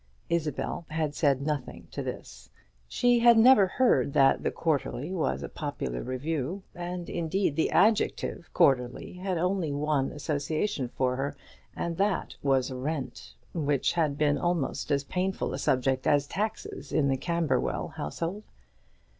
Isabel had nothing to say to this. She had never heard that the "Quarterly" was a popular review; and, indeed, the adjective "quarterly" had only one association for her, and that was rent, which had been almost as painful a subject as taxes in the Camberwell household.